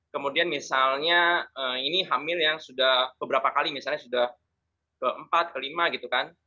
kemudian misalnya ini hamil yang sudah beberapa kali misalnya sudah keempat kelima gitu kan